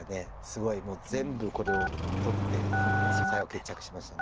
すごい全部これを取って最後決着しました。